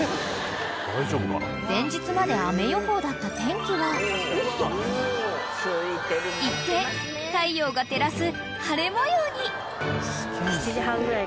［前日まで雨予報だった天気は一転太陽が照らす］